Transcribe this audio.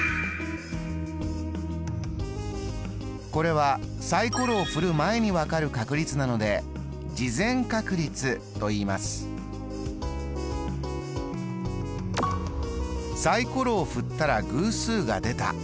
これはサイコロを振る前に分かる確率なのでサイコロを振ったら偶数が出た。